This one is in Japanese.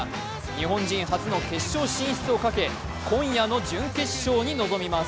日本人初の決勝進出をかけ今夜の準決勝に臨みます。